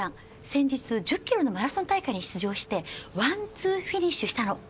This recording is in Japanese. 先日１０キロのマラソン大会に出場してワンツーフィニッシュしたの。